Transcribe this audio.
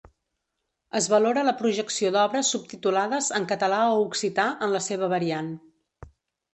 Es valora la projecció d'obres subtitulades en català o occità, en la seva variant.